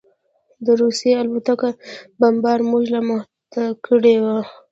د روسي الوتکو بمبار موږ لا محتاط کړي وو